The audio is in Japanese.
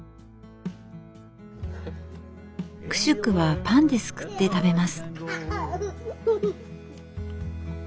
クシュクはパンですくって食べます。